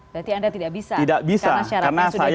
berarti anda tidak bisa karena syaratnya sudah dinaikkan usianya